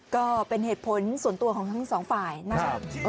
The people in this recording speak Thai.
ก็เป็นเหตุผลส่วนตัวของทั้งสองฝ่ายนะครับ